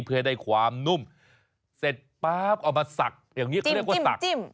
เพื่อให้ได้ความนุ่มเสร็จป๊าบเอามาสักอย่างนี้เขาเรียกว่าตักจิ้ม